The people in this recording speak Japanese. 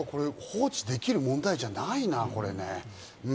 これ、放置できる問題じゃないな、これね。